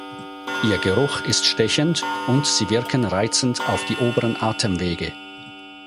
Ihr Geruch ist stechend, und sie wirken reizend auf die oberen Atemwege.